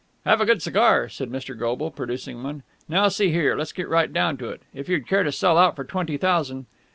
"Have a good cigar," said Mr. Goble, producing one. "Now, see here, let's get right down to it. If you'd care to sell out for twenty thousand...."